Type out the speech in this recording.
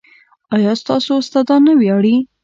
ایا ستاسو استادان نه ویاړي؟